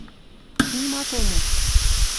Нимат ом уж...